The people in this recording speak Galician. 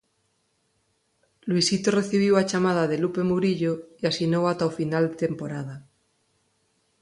Luisito recibiu a chamada de Lupe Murillo e asinou ata o final de temporada.